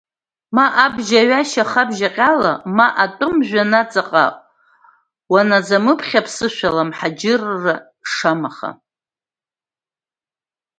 Ма Абжьаҩашьа-хабжьаҟьала, ма Атәым жәҩан аҵаҟа, уанзамыԥхьа аԥсышәала амҳаџьырра шамаха.